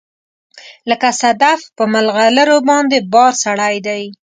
لکه صدف په مرغلروباندې بار سړی دی